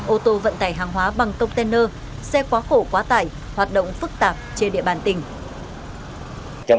ô tô vận tải hàng hóa bằng container xe quá khổ quá tải hoạt động phức tạp trên địa bàn tỉnh